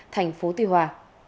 tp tuy hòa